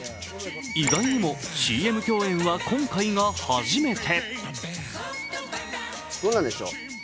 意外にもＣＭ共演は今回が初めて。